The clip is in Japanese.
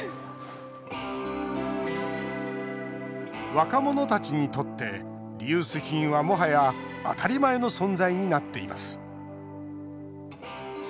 若者たちにとってリユース品は、もはや当たり前の存在になっています